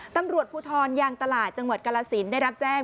ตำรวจภูทรยางตลาดจังหวัดกรสินได้รับแจ้ง